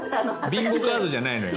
ビンゴカードじゃないのよ